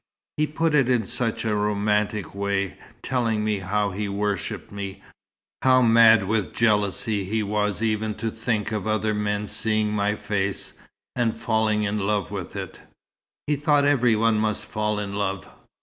He put it in such a romantic way, telling me how he worshipped me, how mad with jealousy he was even to think of other men seeing my face, and falling in love with it. He thought every one must fall in love!